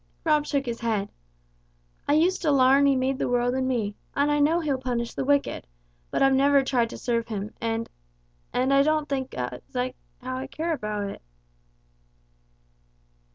Rob shook his head. "I used to larn He made the world and me, and I know He'll punish the wicked, but I've never tried to serve Him, and and I don't think as how I care about it."